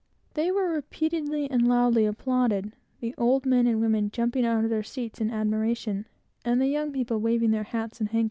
They were repeatedly and loudly applauded, the old men and women jumping out of their seats in admiration, and the young people waving their hats and handkerchiefs.